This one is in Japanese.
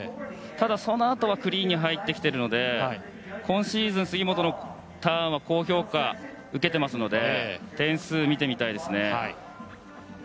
ただ、そのあとはクリーンに入ってきているので今シーズン、杉本のターンは高評価を受けていますので点数を見てみたいですね。